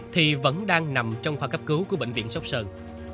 thì vẫn đang nằm trong khoa cấp cứu của bệnh viện sóc sơn